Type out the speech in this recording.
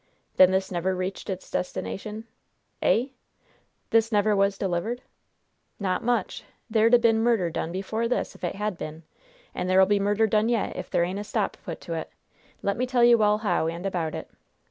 "Then this never reached its destination?" "Eh?" "This never was delivered?" "Not much! There'd 'a' been murder done before this if it had been! And there'll be murder done yet if there ain't a stop put to it! Let me tell you all how and about it."